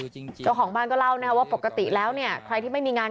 เจ้าของบ้านก็เล่านะครับว่าปกติแล้วเนี่ยใครที่ไม่มีงาน